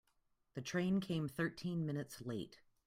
The train came thirteen minutes late.